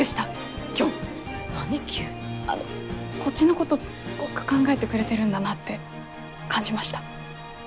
あのこっちのことすごく考えてくれてるんだなって感じました。